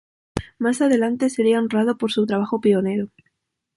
Más adelante sería honrado por su trabajo pionero.